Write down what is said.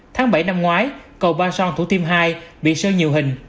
tháng bảy năm ngoái cầu ba son thủ tiêm hai bị sơn nhiều hình